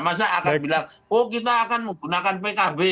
masa akan bilang oh kita akan menggunakan pkb